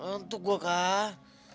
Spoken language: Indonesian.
untuk gue kak